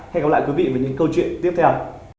hẹn gặp lại quý vị với những câu chuyện tiếp theo